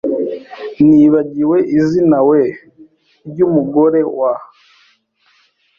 Nibagiwe izinawe ryumugore wa .